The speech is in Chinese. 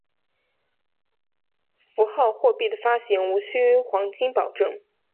符号货币的发行无须黄金保证。